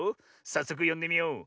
さっそくよんでみよう。